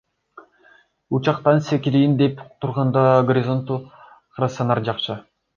Учактан секирейин деп турганда горизонтту карасаңар жакшы.